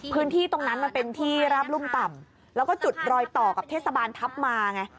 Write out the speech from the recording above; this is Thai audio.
พื้นที่ตรงนั้นมันเป็นที่ราบรุ่มต่ำแล้วก็จุดรอยต่อกับเทศบาลทัพมาไง